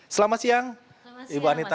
selamat siang ibu anita